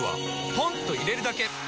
ポンと入れるだけ！